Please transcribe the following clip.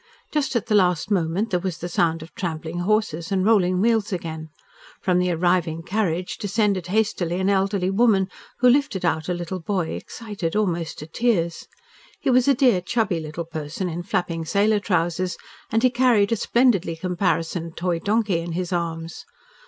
Just at the last moment there was the sound of trampling horses and rolling wheels again. From the arriving carriage descended hastily an elderly woman, who lifted out a little boy excited almost to tears. He was a dear, chubby little person in flapping sailor trousers, and he carried a splendidly caparisoned toy donkey in his arms.